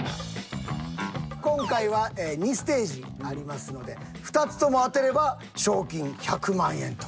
今回は２ステージありますので２つとも当てれば賞金１００万円と。